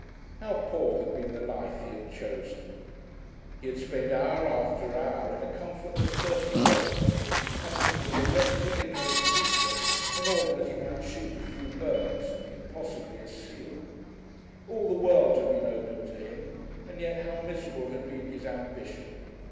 How poor had been the life he had chosen! He had spent hour after hour in a comfortless dirty boat, in company with a wretched ignorant creature, in order that he might shoot a few birds and possibly a seal. All the world had been open to him, and yet how miserable had been his ambition!